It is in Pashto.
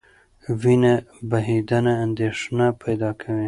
وینه بهېدنه اندېښنه پیدا کوي.